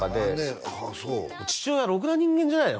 そう父親ろくな人間じゃないね